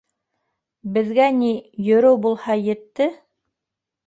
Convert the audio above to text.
Беҙгә ни, йөрөү булһа, етте.